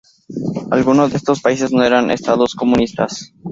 Algunos de estos países no eran estados comunistas.